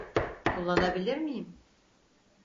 Kullanabilir miyim?